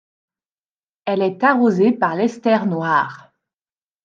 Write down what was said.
Elle est arrosée par l'Elster Noire.